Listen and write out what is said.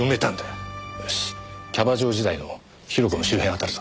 よしキャバ嬢時代の広子の周辺を当たるぞ。